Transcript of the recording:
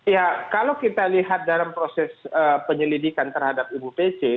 ya kalau kita lihat dalam proses penyelidikan terhadap ibu pece